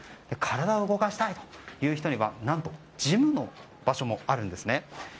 体を動かしたいという人には何とジムの場所もあるんですね。